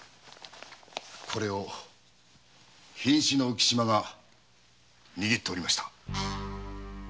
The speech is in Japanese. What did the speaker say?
これを瀕死の浮島が握っておりました。